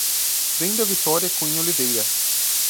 Brenda Vitoria Cunha Oliveira